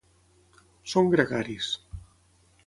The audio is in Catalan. Són gregaris.